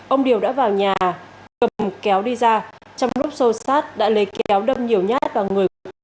ông điều đã vào nhà cầm kéo đi ra trong lúc xô sát đã lấy kéo đâm nhiều nhát vào người